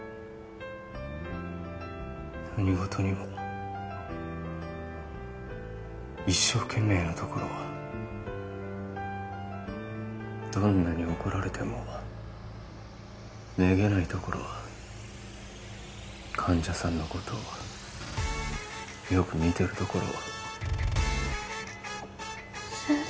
何事にも一生懸命なところどんなに怒られてもめげないところ患者さんのことをよくみてるところ先生？